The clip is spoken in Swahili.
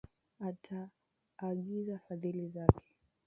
Ataagiza fadhili zake.